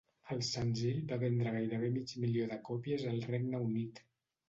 El senzill va vendre gairebé mig milió de còpies al Regne Unit.